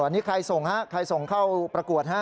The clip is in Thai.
นี่ใครส่งฮะใครส่งเข้าประกวดฮะ